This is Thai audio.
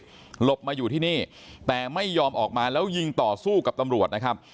หลบมาอยู่ที่นี่แต่ไม่ยอมออกมาแล้วยิงต่อสู้กับตำรวจนะครับ